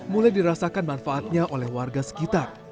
mulai dirasakan manfaatnya oleh warga sekitar